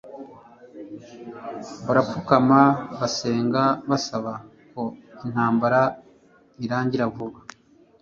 Barapfukama basenga basaba ko intambara irangira vuba